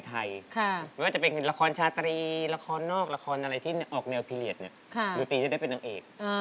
ไม่ว่าจะเป็นละครชาตรีละครนอกละครอะไรที่ออกแนวพีเรียสดูตรีจะได้เป็นนางเอก